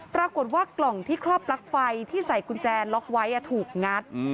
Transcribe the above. ปรากฏว่ากล่องที่ครอบปลั๊กไฟที่ใส่กุญแจล็อกไว้ถูกงัด